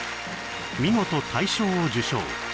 見事大賞を受賞